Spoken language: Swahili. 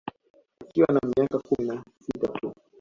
Akiwa na miaka kumi na sita tu